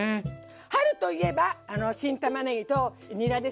春と言えば新たまねぎとニラですよね。